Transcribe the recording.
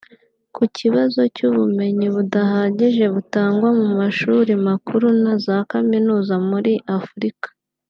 Ku kibazo cy’ubumenyi budahagije butangwa mu mashuri makuru na za kaminuza muri Africa